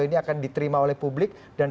ini akan diterima oleh publik dan